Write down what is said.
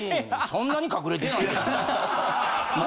そんなに隠れてないけどな。